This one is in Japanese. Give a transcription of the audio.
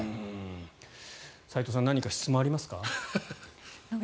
斎藤さん何か質問ありますか？